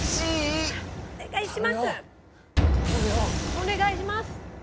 お願いします！